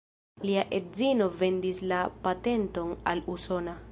Lia edzino vendis la patenton al usona.